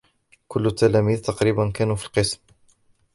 كل التلاميذ تقريبا كانوا في القسم.